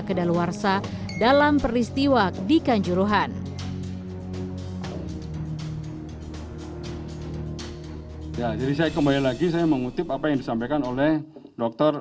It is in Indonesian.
kedaluarsa dalam peristiwa di kanjuruhan jadi saya ikut lagi saya mengutip apa yang disampaikan loter